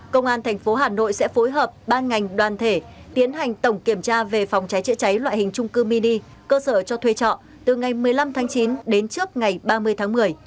công an tp hà nội sẽ phối hợp ba ngành đoàn thể tiến hành tổng kiểm tra về phòng cháy chữa cháy loại hình trung cư mini cơ sở cho thuê trọ từ ngày một mươi năm tháng chín đến trước ngày ba mươi tháng một mươi